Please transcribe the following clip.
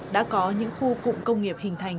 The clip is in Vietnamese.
đã có những khu cụng công nghiệp hình thành